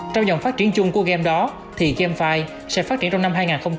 trong dòng phát triển chung của game đó thì gamfi sẽ phát triển trong năm hai nghìn hai mươi